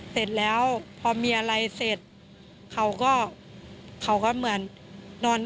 เสร็จแล้วพอมีอะไรเสร็จเขาก็เขาก็เหมือนนอน